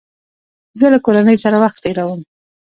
زه له کورنۍ سره وخت تېرووم.